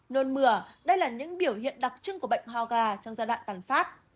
nôn mửa đây là những biểu hiện đặc trưng của bệnh hoa gà trong giai đoạn toàn phát